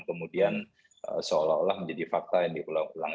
kemudian seolah olah menjadi fakta yang diulang ulang